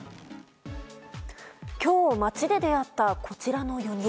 今日、街で出会ったこちらの４人。